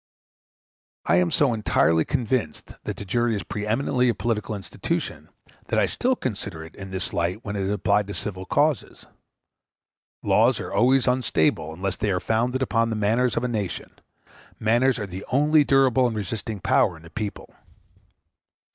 I am so entirely convinced that the jury is pre eminently a political institution that I still consider it in this light when it is applied in civil causes. Laws are always unstable unless they are founded upon the manners of a nation; manners are the only durable and resisting power in a people.